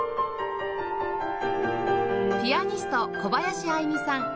ピアニスト小林愛実さん